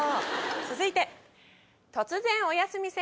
続いて。